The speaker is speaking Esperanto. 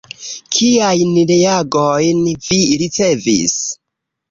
Kiajn reagojn vi ricevis?